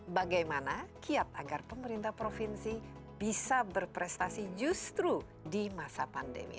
bagaimana kiat agar pemerintah provinsi bisa berprestasi justru di masa pandemi